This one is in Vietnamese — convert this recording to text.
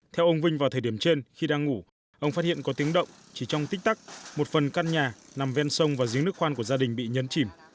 theo ông vinh vào thời điểm trên khi đang ngủ ông phát hiện có tiếng động chỉ trong tích tắc một phần căn nhà nằm ven sông và giếng nước khoan của gia đình bị nhấn chìm